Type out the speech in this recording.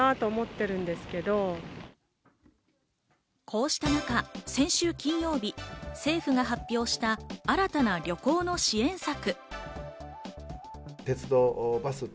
こうした中、先週金曜日、政府が発表した、新たな旅行の支援策。